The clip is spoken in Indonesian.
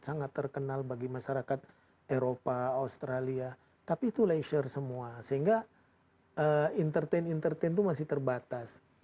sangat terkenal bagi masyarakat eropa australia tapi itu leisure semua sehingga entertain entertain itu masih terbatas